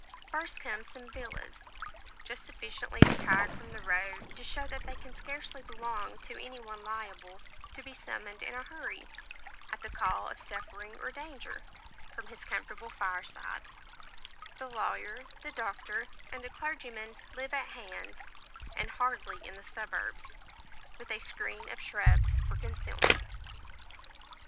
First come some villas; just sufficiently retired from the road to show that they can scarcely belong to any one liable to be summoned in a hurry, at the call of suffering or danger, from his comfortable fireside; the lawyer, the doctor, and the clergyman, live at hand, and hardly in the suburbs, with a screen of shrubs for concealment.